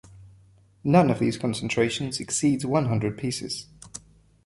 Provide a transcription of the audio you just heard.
None of these concentrations exceeds one hundred pieces.